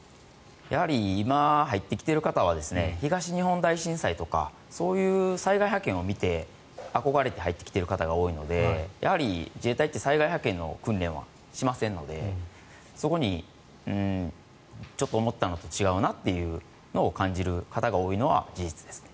やはり今、入ってきている方は東日本大震災とかそういう災害派遣を見て憧れて入ってきている方が多いので自衛隊って災害派遣の訓練はしませんのでそこにちょっと思ったのと違うと感じる方が多いのは事実ですね。